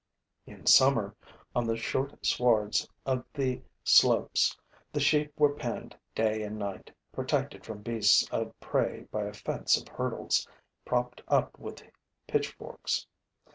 In summer, on the short swards of the slopes, the sheep were penned day and night, protected from beasts of prey by a fence of hurdles propped up with pitchforks.